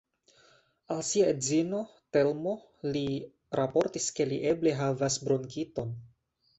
Al sia edzino, Telmo, li raportis ke li eble havas bronkiton.